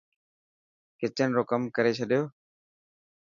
ڪچن رو ڪم ڪري ڇڏيو.